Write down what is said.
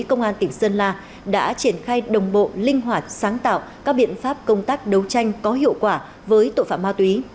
công an tỉnh sơn la đã triển khai đồng bộ linh hoạt sáng tạo các biện pháp công tác đấu tranh có hiệu quả với tội phạm ma túy